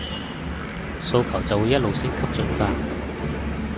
訴求就會一路升級進化